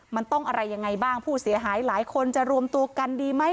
มันต้องอะไรยังไงบ้างผู้เสียหายหลายคนจะรวมตัวกันดีไหม